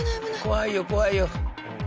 怖いよ怖いよ。